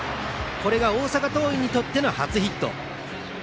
これが大阪桐蔭にとっての初ヒット。